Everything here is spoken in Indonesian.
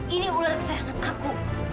ini ular kesayangan aku